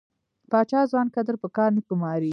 پاچا ځوان کدر په کار نه ګماري .